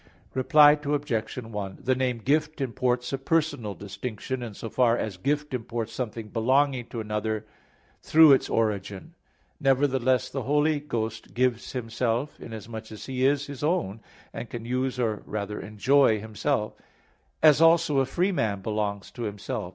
Reply Obj. 1: The name "Gift" imports a personal distinction, in so far as gift imports something belonging to another through its origin. Nevertheless, the Holy Ghost gives Himself, inasmuch as He is His own, and can use or rather enjoy Himself; as also a free man belongs to himself.